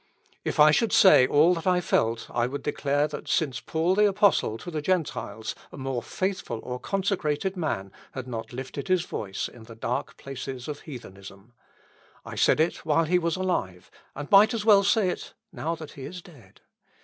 If I should say all that I felt I would declare that since Paul the Apostle to the Gentiles a more faithful or consecrated man has not lifted his voice in the dark places of heathenism. I said it while he was alive, and might as well say it now that he is dead.